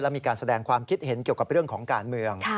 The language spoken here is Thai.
มีการแสดงความคิดเห็นเกี่ยวกับเรื่องของการเมือง